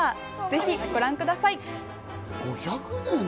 ぜひご覧ください。